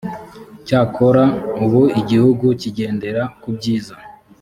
cyakora ubu igihugu kigendera kubyiza